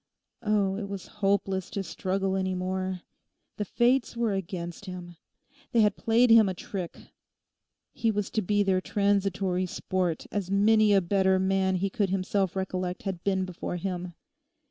Oh, it was hopeless to struggle any more! The fates were against him. They had played him a trick. He was to be their transitory sport, as many a better man he could himself recollect had been before him.